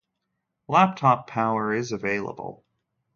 Laptop power is available.